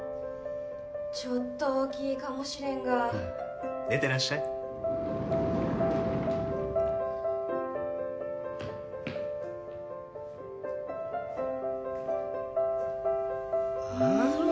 ちょっと大きいかもしれんが出てらっしゃいあら